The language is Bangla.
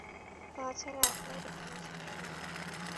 তা ছাড়া আপনার গা বেশ গরম।